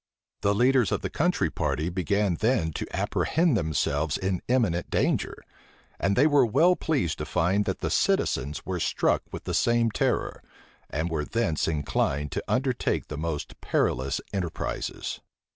The leaders of the country party began then to apprehend themselves in imminent danger; and they were well pleased to find that the citizens were struck with the same terror, and were thence inclined to undertake the most perilous enterprises.